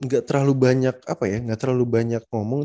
gak terlalu banyak ngomong